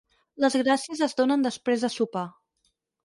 Les gràcies es donen després de sopar.